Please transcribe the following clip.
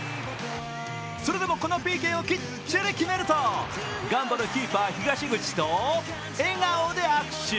それでもこのＰＫをきっちり決めるとガンバのキーパー・東口と笑顔で握手。